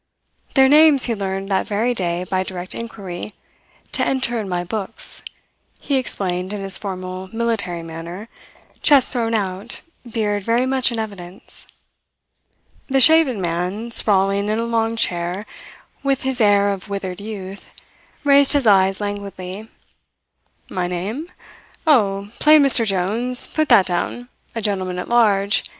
Their names he learned that very day by direct inquiry "to enter in my books," he explained in his formal military manner, chest thrown out, beard very much in evidence. The shaven man, sprawling in a long chair, with his air of withered youth, raised his eyes languidly. "My name? Oh, plain Mr. Jones put that down a gentleman at large.